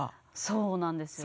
そうなんですよ。